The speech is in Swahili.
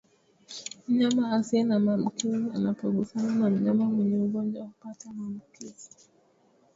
Mnyama asiye na maambukizi anapogusana na mnyama mwenye ugonjwa hupata maambuziki